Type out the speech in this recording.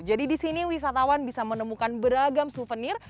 jadi disini wisatawan bisa menemukan beragam souvenir